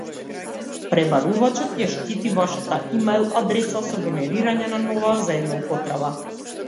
Пребарувачот ја штити вашата имејл адреса со генерирање на нова за една употреба